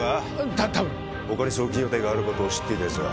たたぶん他に送金予定があることを知っていたやつは？